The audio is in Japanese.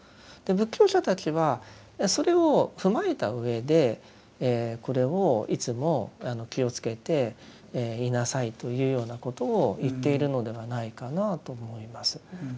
仏教者たちはそれを踏まえた上でこれをいつも気をつけていなさいというようなことを言っているのではないかなと思います。